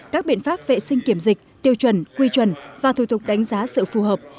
các biện pháp vệ sinh kiểm dịch tiêu chuẩn quy chuẩn và thủ tục đánh giá sự phù hợp